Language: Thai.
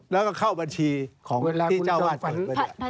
แล้วก็เข้าบัญชีของที่เจ้าอาวาสเปิดไปดีกว่า